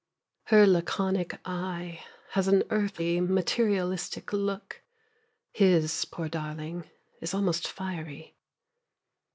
Her laconic eye has an earthy, materialistic look, His, poor darling, is almost fiery.